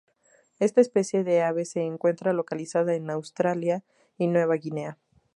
Esta especie de ave se encuentra localizada en Australia y Nueva Guinea.